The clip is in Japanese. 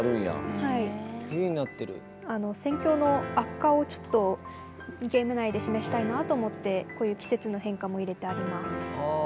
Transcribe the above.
戦況の悪化をちょっとゲーム内で示したいなと思ってこういう季節の変化も入れてあります。